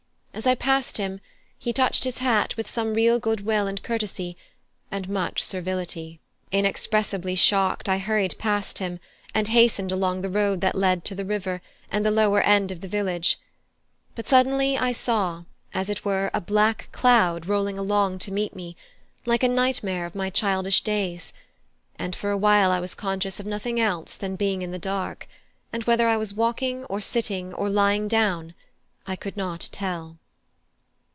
As I passed him he touched his hat with some real goodwill and courtesy, and much servility. Inexpressibly shocked, I hurried past him and hastened along the road that led to the river and the lower end of the village; but suddenly I saw as it were a black cloud rolling along to meet me, like a nightmare of my childish days; and for a while I was conscious of nothing else than being in the dark, and whether I was walking, or sitting, or lying down, I could not tell.